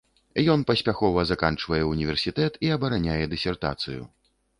Ён паспяхова заканчвае ўніверсітэт і абараняе дысертацыю.